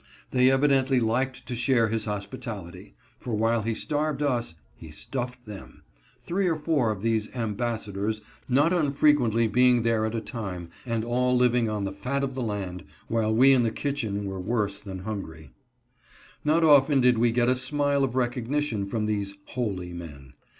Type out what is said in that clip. They evidently liked to share his hospitality ; for while he starved us, he stuffed them — THE REV. GEORGE COOKMAN. 135 three or four of these " ambassadors " not unfrequently being there at a time and all living on the fat of the land while we in the kitchen were worse than hungry. Not often did we get a smile of recognition from these holy men.